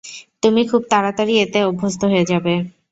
তুমি খুব তাড়াতাড়ি এতে অভ্যস্ত হয়ে যাবে।